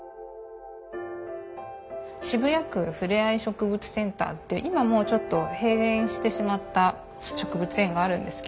渋谷区ふれあい植物センターって今もうちょっと閉園してしまった植物園があるんですけど。